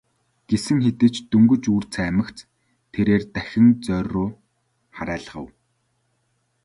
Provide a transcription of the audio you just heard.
Гэсэн хэдий ч дөнгөж үүр цаймагц тэрээр дахин зоорьруу харайлгав.